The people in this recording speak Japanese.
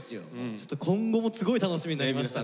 ちょっと今後もすごい楽しみになりました。